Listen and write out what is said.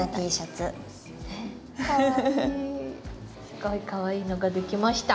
すごいかわいいのができました！